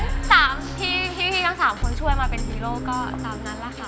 นั้นที่ที่ทั้ง๓คนช่วยมาเป็นฮิโร่ก็ตามนั้นล่ะครับ